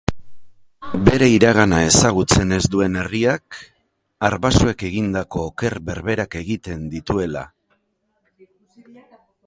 Bere iragana ezagutzen ez duen herriak, arbasoek egindako oker berberak egiten dituela.